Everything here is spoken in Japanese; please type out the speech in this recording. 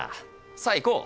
さあ行こう！